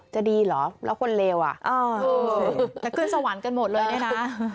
จะดีเหรอแล้วคนเลวอ่ะจะขึ้นสวรรค์กันหมดเลยเนี่ยนะ